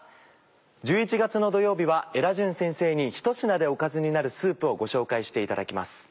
１１月の土曜日はエダジュン先生にひと品でおかずになるスープをご紹介していただきます。